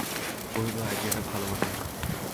কহিল, আইডিয়াটা ভালো বটে।